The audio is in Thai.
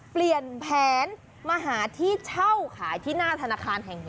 เปลี่ยนแผนมาหาที่เช่าขายที่หน้าธนาคารแห่งนี้